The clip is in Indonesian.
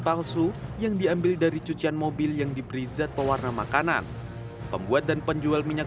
palsu yang diambil dari cucian mobil yang diberi zat pewarna makanan pembuat dan penjual minyak